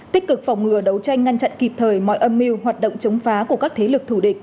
tích cực phòng ngừa đấu tranh ngăn chặn kịp thời mọi âm mưu hoạt động chống phá của các thế lực thù địch